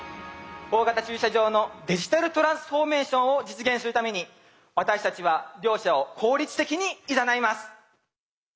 大型駐車場のデジタルトランスフォーメーションを実現するために私たちは利用者を効率的にいざないます。